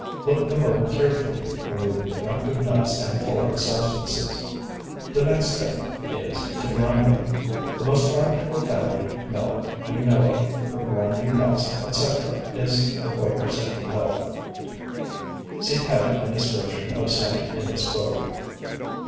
Look them over carefully, removing defective nuts and foreign substances. The next step is to grind them. The most practical family mill we know of for grinding nuts, etc., is the Quaker City Mill (see cut and description of same in this book).